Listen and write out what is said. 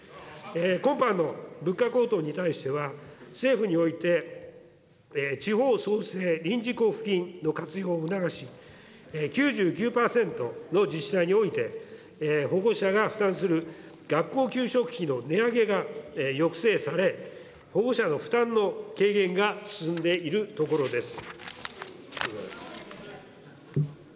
今般の物価高騰に対しては、政府において地方創生臨時交付金の活用を促し、９９％の自治体において、保護者が負担する学校給食費の値上げが抑制され、保護者の負担の軽減が進んでいるところです。